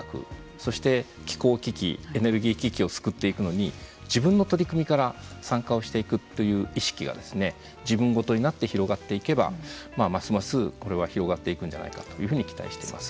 そして気候危機エネルギー危機を救っていくのに自分の取り組みから参加をしていくという意識が自分事になって広がっていけばますますこれは広がっていくんじゃないかというふうに期待しています。